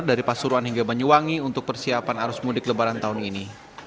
dari pasuruan hingga banyuwangi untuk persiapan arus mudik lebaran tahun ini